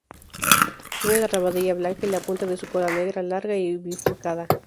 Tiene la rabadilla blanca y la punta de su cola negra, larga y bifurcada.